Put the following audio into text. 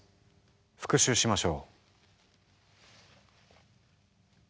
復習しましょう。